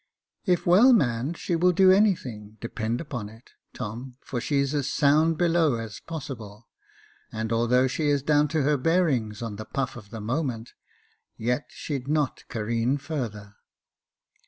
"If well manned, she will do anything, depend upon it, Tom, for she's as sound below as possible ; and although she is down to her bearing on the puff of the moment, yet she'd not careen further."